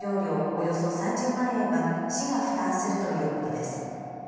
およそ３０万円は市が負担するということです。